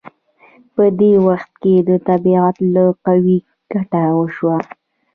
په دې وخت کې د طبیعت له قوې ګټه وشوه.